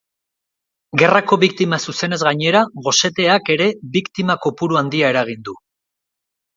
Gerrako biktima zuzenez gainera, goseteak ere biktima-kopuru handia eragin du.